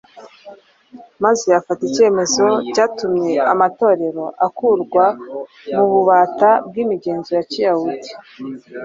maze afata icyemezo cyatumye amatorero akurwa mu bubata bw’imigenzo ya Kiyahudi.